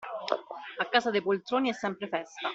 A casa dei poltroni è sempre festa.